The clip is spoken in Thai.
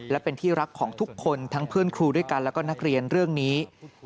และเป็นที่รักของทุกคนทั้งเพื่อนครูด้วยกันแล้วก็นักเรียนเรื่องนี้